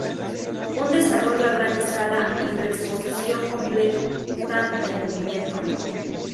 Un desarrollo a gran escala y la reexposición completan el movimiento.